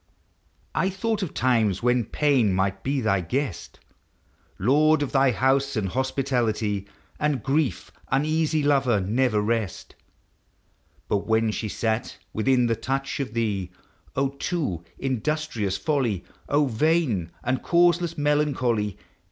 I thought of times when Pain might be thy guest, Lord of thy house and hospitality; And Grief, uneasy lover, never rest Rut when she sat within the touch of thee. O too industrious folly! O vain and causeless melancholy!